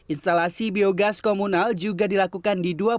instalasi biogas komunal juga dilakukan di dua puluh dua pesantren lain